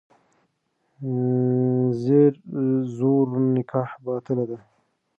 زیر زور نکاح باطله ده.